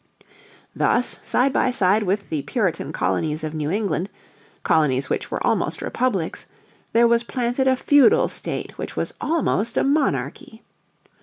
Thus side by side with the Puritan colonies of New England, colonies which were almost republics, there was planted a feudal state which was almost a monarchy.